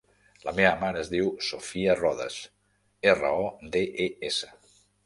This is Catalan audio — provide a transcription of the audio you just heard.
La meva mare es diu Sofía Rodes: erra, o, de, e, essa.